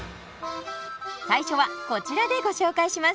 最初はこちらでご紹介します。